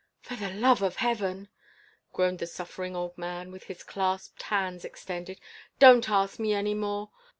"For the love of heaven!" groaned the suffering old man, with his clasped hands extended, "don't ask me any more.